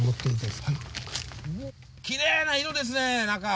きれいな色ですね中！